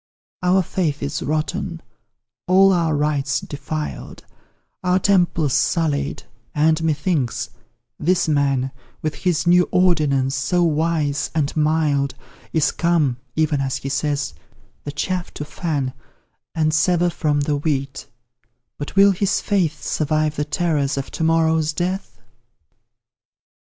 Our faith is rotten, all our rites defiled, Our temples sullied, and, methinks, this man, With his new ordinance, so wise and mild, Is come, even as He says, the chaff to fan And sever from the wheat; but will his faith Survive the terrors of to morrow's death?